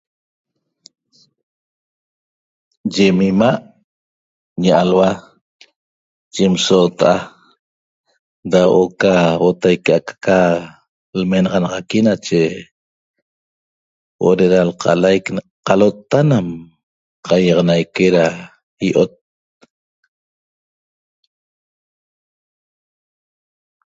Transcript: Yime imaa' ñe alhua yim sotaa da oca otaique ca aca l'menaxanaxaqui nache huo'o da eda l'caiyq calota nam caihiaxanaque da i'ot